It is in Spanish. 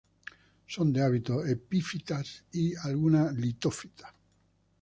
Son de hábitos epífitas y alguna litófita.